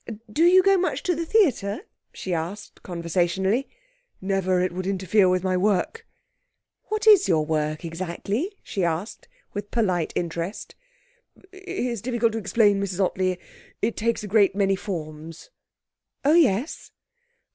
'Do you go much to the theatre?' she asked conversationally. 'Never. It would interfere with my work.' 'What is your work, exactly?' she asked, with polite interest. 'It's difficult to explain, Mrs Ottley. It takes a great many forms.' 'Oh, yes.'